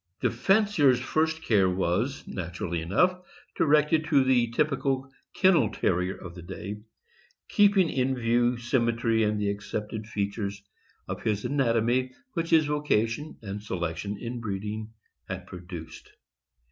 The fancier's first care was, naturally enough, directed to the typical kennel Terrier of the day, keeping in view symmetry and the accepted features of his anatomy which his vocation and selection in breeding had produced.